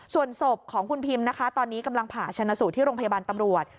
ส่วนศพของคุณพิมนะคะตอนนี้กำลังผ่าชนะสูตรที่โรงพยาบาลตำรวจ